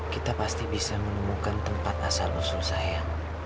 kita pasti bisa menemukan tempat asal musuh saya